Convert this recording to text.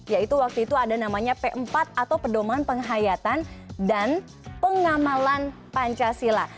yaitu waktu itu ada namanya p empat atau pedoman penghayatan dan pengamalan pancasila